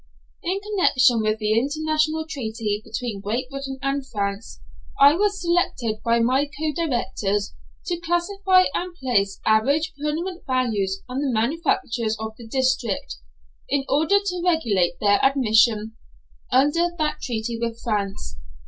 In connection with the international treaty between Great Britain and France, I was selected by my co directors to classify and place average permanent values on the manufactures of the district, in order to regulate their admission under that treaty with France.